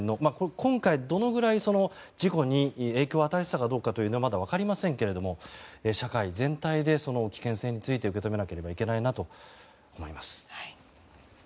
今回、どれぐらい事故に影響を与えてたかどうかというのはまだ分かりませんけれども社会全体で、その危険性について受け止めなければいけないなと思います。